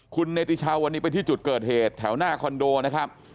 คุณเนติชาววันนี้ไปที่จุดเกิดเหตุแถวหน้าคอนโดนะครับ